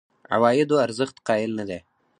عوایدو ارزښت قایل نه دي.